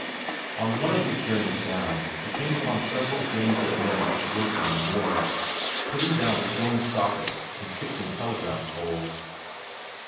On one of his journeys down, he came upon several gangs of men at work on the moors; putting down stone sockets and fixing telegraph poles.